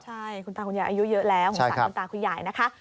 ใช่คุณตาคุณใหญ่อายุเยอะแล้วของศาลคุณตาคุณใหญ่